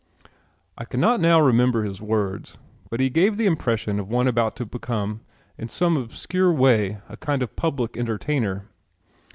I cannot now remember his words, but he gave the impression of one about to become in some obscure way a kind of public entertainer.